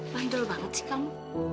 bandol banget sih kamu